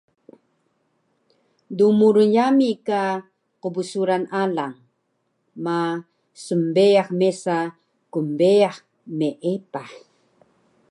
Dmurun yami ka qbsuran alang ma smbeyax mesa knbeyax meepah